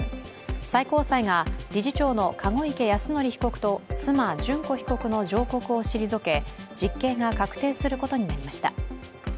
最高裁が理事長の籠池泰典被告と妻・諄子被告の上告を退け、実刑が確定することになりました。